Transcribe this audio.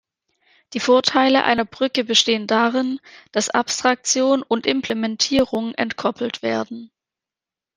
Die Vorteile einer Brücke bestehen darin, dass Abstraktion und Implementierung entkoppelt werden.